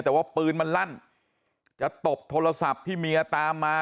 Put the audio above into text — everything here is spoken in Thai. แต่ว่าปืนมันลั่นจะตบโทรศัพท์ที่เมียตามมา